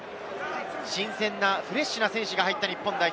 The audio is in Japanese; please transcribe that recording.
新鮮なフレッシュな選手が入った日本代表。